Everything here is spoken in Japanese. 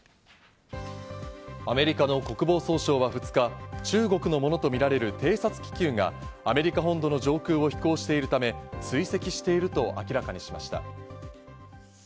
アメリカの国防総省は２日、中国のものとみられる偵察気球がアメリカ本土の上空を飛行しているため、追跡していると明らかにしました。